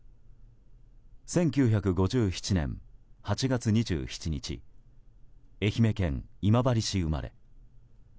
１９５７年８月２７日愛媛県今治市生まれ。